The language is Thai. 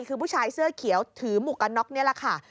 คือผู้ชายเสื้อเขียวถือหมวกกันน็อกนี่แหละค่ะ